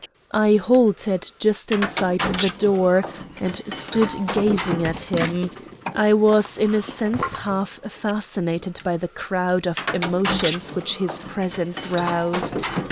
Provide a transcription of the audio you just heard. I halted just inside the door, and stood gazing at him. I was in a sense half fascinated by the crowd of emotions which his presence roused.